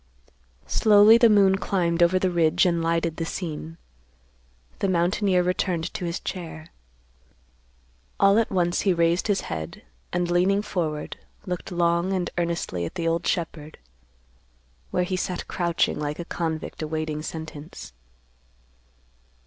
Slowly the moon climbed over the ridge and lighted the scene. The mountaineer returned to his chair. All at once he raised his head, and, leaning forward, looked long and earnestly at the old shepherd, where he sat crouching like a convict awaiting sentence.